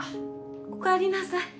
おかえりなさい。